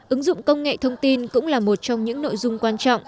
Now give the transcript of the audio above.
ứng dụng công nghệ thông tin cũng là một trong những nội dung quan trọng